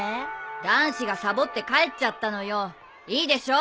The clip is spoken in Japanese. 男子がサボって帰っちゃったのよいいでしょ？